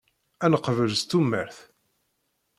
Ad neqbel s tumert.